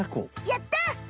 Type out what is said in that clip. やった！